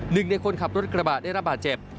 หนึ่งในคนขับรถกระบะได้ระบาดเจ็บ